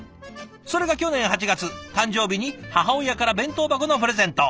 それが去年８月誕生日に母親から弁当箱のプレゼント。